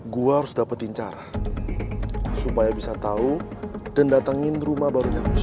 gue harus dapetin cara supaya bisa tahu dan datangin rumah barunya